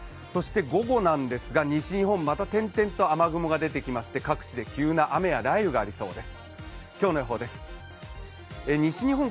午後なんですが、西日本、また点々と雨雲が出てきまして各地で急な雨や雷雨がありそうです。